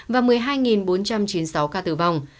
và một mươi hai bốn trăm chín mươi sáu ca tử vong